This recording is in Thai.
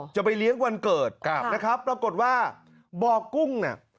จะไปเลี้ยงวันเกิดนะครับปรากฏว่าเบาะกุ้งน่ะ